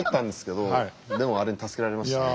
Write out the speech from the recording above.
でもあれに助けられましたね。